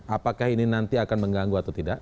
apakah ini nanti akan mengganggu atau tidak